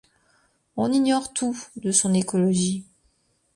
On ignore tout de son écologie.